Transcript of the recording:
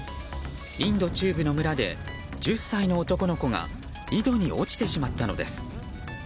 インド中部の村で１０歳の男の子が井戸に落ちてしまったのです。